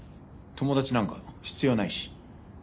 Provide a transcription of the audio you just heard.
友達なんか必要ないし。